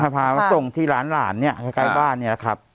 พามาส่งที่หลานใกล้บ้านเนี่ยครับ